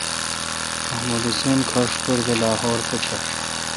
محمد حسین کھݭ کھݭ دے لاہور تھ مݭ۔